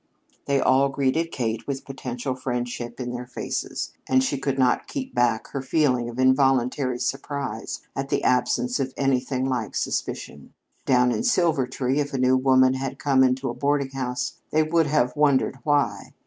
They all greeted Kate with potential friendship in their faces, and she could not keep back her feeling of involuntary surprise at the absence of anything like suspicion. Down in Silvertree if a new woman had come into a boarding house, they would have wondered why.